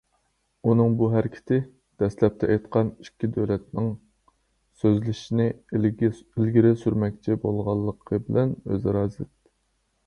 ئۇنىڭ بۇ ھەرىكىتى دەسلەپتە ئېيتقان ئىككى دۆلەتنىڭ سۆزلىشىشىنى ئىلگىرى سۈرمەكچى بولغانلىقى بىلەن ئۆزئارا زىت.